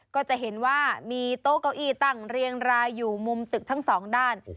ก็จะเห็นว่ามีโต๊ะเก้าอี้ตั้งเรียงรายอยู่มุมตึกทั้งสองด้าน